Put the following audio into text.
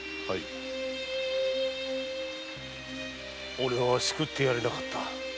俺は救ってやれなかった。